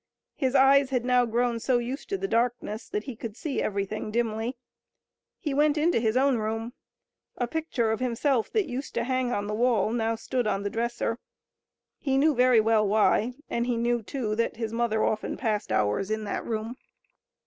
His eyes had now grown so used to the darkness that he could see everything dimly. He went into his own room. A picture of himself that used to hang on the wall now stood on the dresser. He knew very well why, and he knew, too, that his mother often passed hours in that room.